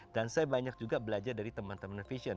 dan saya banyak juga belajar dari teman teman fashion